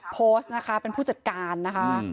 โพสต์นะคะเป็นผู้จัดการนะคะ